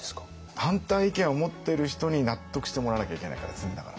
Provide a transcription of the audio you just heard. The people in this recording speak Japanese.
反対意見を持ってる人に納得してもらわなきゃいけないからですねだから。